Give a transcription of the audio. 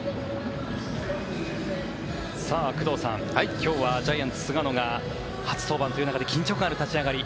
工藤さん、今日はジャイアンツ、菅野が初登板という中で緊張感ある立ち上がり。